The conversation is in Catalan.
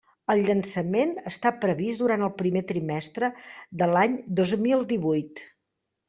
El llançament està previst durant el primer trimestre de l'any dos mil divuit.